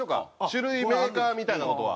種類メーカーみたいな事は。